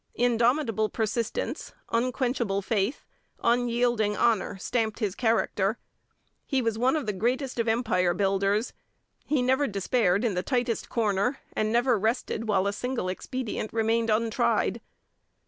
Indomitable persistence, unquenchable faith, unyielding honour stamped his character. He was one of the greatest of Empire builders. He never despaired in the tightest corner, and never rested while a single expedient remained untried.